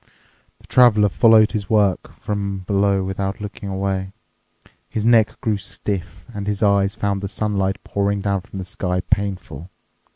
The Traveler followed this work from below without looking away. His neck grew stiff, and his eyes found the sunlight pouring down from the sky painful.